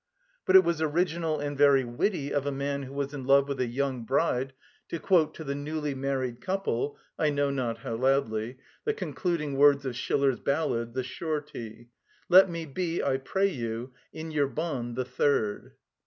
But it was original and very witty of a man who was in love with a young bride to quote to the newly married couple (I know not how loudly) the concluding words of Schiller's ballad, "The Surety:" "Let me be, I pray you, In your bond the third."